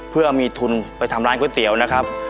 เพื่อมีทุนไปทำร้านก๋วยเตี๋ยวนะครับ